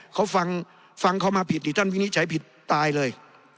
เขาฟังฟังเขามาผิดนี่ท่านวินิจฉัยผิดตายเลย